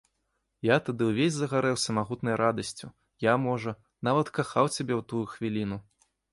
Я тады ўвесь загарэўся магутнай радасцю, я, можа, нават кахаў цябе ў тую хвіліну.